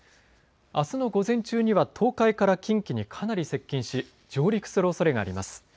あすの午前中には東海から近畿にかなり接近し上陸するおそれがあります。